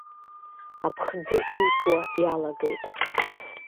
Аԥхӡы илҵуа иалагеит.